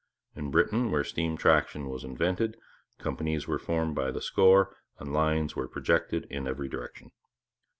In Britain, where steam traction was invented, companies were formed by the score and lines were projected in every direction.